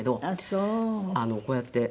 こうやって。